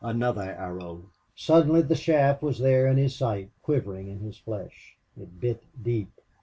Another arrow! Suddenly the shaft was there in his sight, quivering in his flesh. It bit deep.